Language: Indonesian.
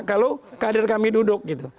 kalau kader kami duduk gitu